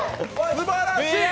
すばらしい。